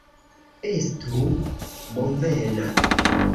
Estu bonvena!